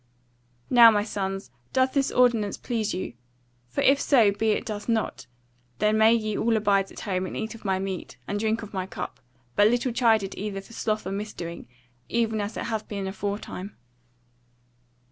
"Now, my sons, doth this ordinance please you? For if so be it doth not, then may ye all abide at home, and eat of my meat, and drink of my cup, but little chided either for sloth or misdoing, even as it hath been aforetime."